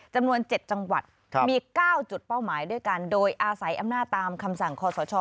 จำนวน๗จังหวัดมี๙จุดเป้าหมายด้วยกันโดยอาศัยอำนาจตามคำสั่งคอสช